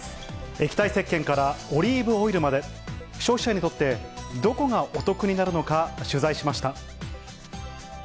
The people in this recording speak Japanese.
液体せっけんからオリーブオイルまで、消費者にとってどこがお得になるのか取材しました。